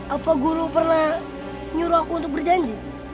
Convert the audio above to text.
apa guru pernah nyuruh aku untuk berjanji